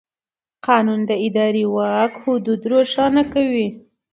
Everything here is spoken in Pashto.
قانون د اداري واک حدود روښانه کوي.